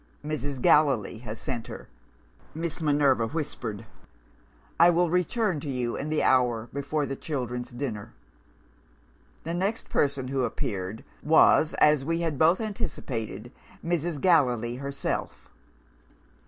'Mrs. Gallilee has sent her,' Miss Minerva whispered; 'I will return to you in the hour before the children's dinner.' "The next person who appeared was, as we had both anticipated, Mrs. Gallilee herself.